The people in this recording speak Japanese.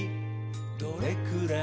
「どれくらい？